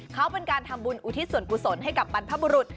เขาเป็นการทำบุญอุทิศส่วนกุศลให้กับบรรพบุรุษ